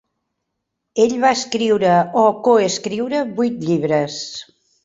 Ell va escriure o coescriure huit llibres.